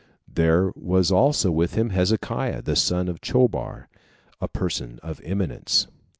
There was also with him Hezekiah, the son of Chobar, a person of eminence.